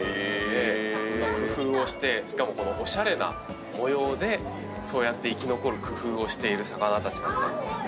工夫をしてしかもこのおしゃれな模様で生き残る工夫をしている魚たちだったんですよね。